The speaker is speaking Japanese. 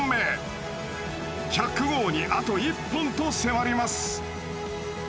１００号にあと１本と迫ります。